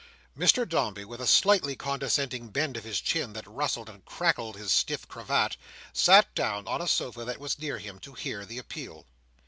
Mr Dombey, with a slightly condescending bend of his chin that rustled and crackled his stiff cravat, sat down on a sofa that was near him, to hear the appeal.